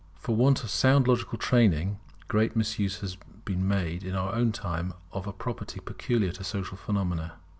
For want of sound logical training, great misuse has been made in our own time of a property peculiar to social phenomena.